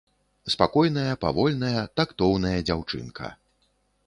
Спакойная, павольная, тактоўная дзяўчынка.